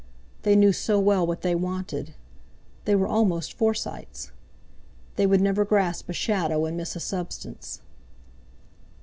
They knew so well what they wanted. They were almost Forsytes. They would never grasp a shadow and miss a substance.